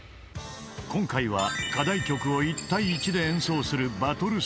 ［今回は課題曲を１対１で演奏する］